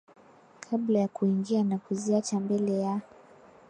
kabla ya kuingia na kuziacha mbele ya